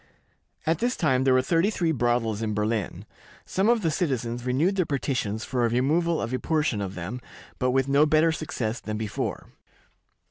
At this time there were thirty three brothels in Berlin. Some of the citizens renewed their petitions for a removal of a portion of them, but with no better success than before.